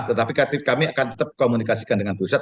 tetapi kami akan tetap komunikasikan dengan pusat